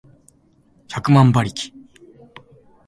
百万馬力